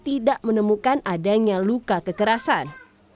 tidak menemukan adanya luka kekerasan